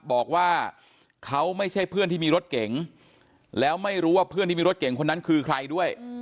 บอกว่าเขาไม่ใช่เพื่อนที่มีรถเก๋งแล้วไม่รู้ว่าเพื่อนที่มีรถเก่งคนนั้นคือใครด้วย